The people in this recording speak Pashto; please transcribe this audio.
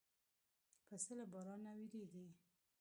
پسه له باران نه وېرېږي.